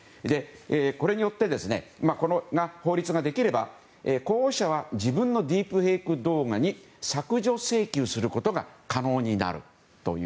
これによってこの法律ができれば候補者は自分のディープフェイク動画に削除請求をすることが可能になるという。